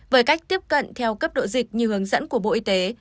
với cách tiếp cận theo cấp độ dịch như hướng dẫn của bộ y tế